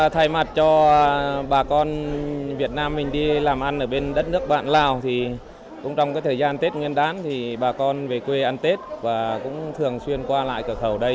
thay mặt cho bà con việt nam mình đi làm ăn ở bên đất nước bạn lào thì cũng trong thời gian tết nguyên đán thì bà con về quê ăn tết và cũng thường xuyên qua lại cửa khẩu đây